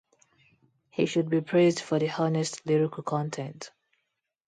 He should be praised for the honest lyrical content.